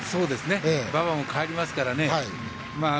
馬場も変わりますからね。